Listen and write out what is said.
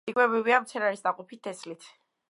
იკვებებიან მცენარის ნაყოფით, თესლით.